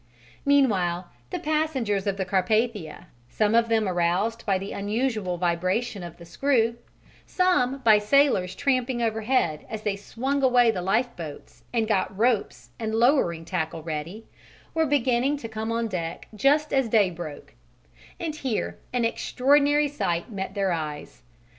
Meanwhile, the passengers of the Carpathia, some of them aroused by the unusual vibration of the screw, some by sailors tramping overhead as they swung away the lifeboats and got ropes and lowering tackle ready, were beginning to come on deck just as day broke; and here an extraordinary sight met their eyes.